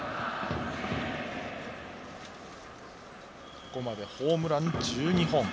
ここまでホームラン１２本。